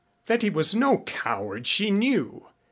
That he was no coward she knew.